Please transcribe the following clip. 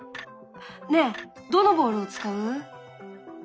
ねえどのボールを使う？